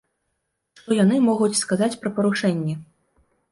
Што яны могуць сказаць пра парушэнні?